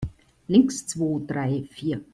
Links, zwo, drei, vier!